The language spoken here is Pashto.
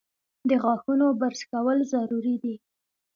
د غاښونو برس کول ضروري دي۔